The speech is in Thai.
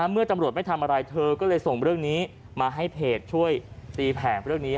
เมื่อตำรวจไม่ทำอะไรเธอก็เลยส่งเรื่องนี้มาให้เพจช่วยตีแผงเรื่องนี้